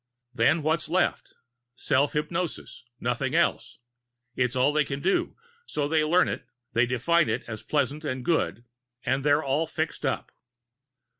Then what's left? Self hypnosis. Nothing else. It's all they can do, so they learn it, they define it as pleasant and good, and they're all fixed up."